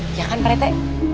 iya kan pak lete